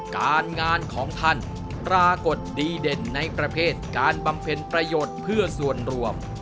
การงานของท่านปรากฏดีเด่นในประเภทการบำเพ็ญประโยชน์เพื่อส่วนรวม